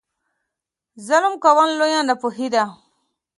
ظلم کول لویه ناپوهي ده.